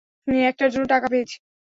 একটার জন্য টাকা পেয়েছি।